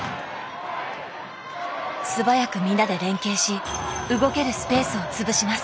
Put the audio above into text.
素早く皆で連携し動けるスペースを潰します。